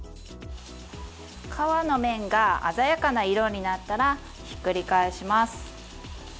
皮の面が鮮やかな色になったらひっくり返します。